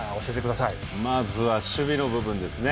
まず守備の部分ですね。